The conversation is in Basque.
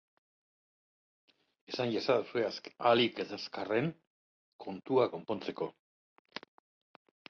Esan iezadazue ahalik eta azkarren, kontua konpontzeko!